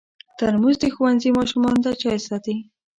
ترموز د ښوونځي ماشومانو ته چای ساتي.